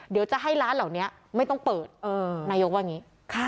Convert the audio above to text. เดี๋ยวจะให้ร้านเหล่านี้ไม่ต้องเปิดนายกว่าอย่างนี้